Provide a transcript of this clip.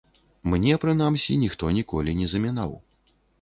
Мне, прынамсі, ніхто ніколі не замінаў.